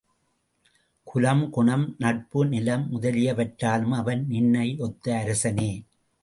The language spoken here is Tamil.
குலம், குணம், நட்பு, நிலம் முதலியவற்றாலும் அவன் நின்னை யொத்த அரசனே.